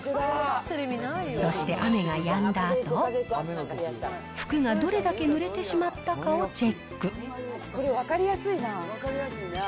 そして、雨がやんだあと、服がどれだけぬれてしまったかをチェック。